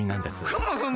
ふむふむ。